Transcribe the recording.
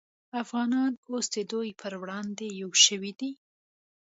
افغانان اوس د دوی پر وړاندې یو شوي دي